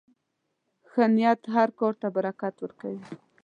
ښه نیت هر کار ته برکت ورکوي.